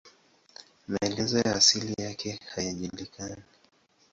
Maelezo ya asili yake hayajulikani.